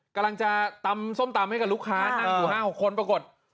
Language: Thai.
กำลังจะตำส้มตำให้กับลูกค้านั่งอยู่๕๖คนปรากฏ